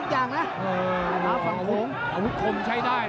เผ่าฝั่งโขงหมดยก๒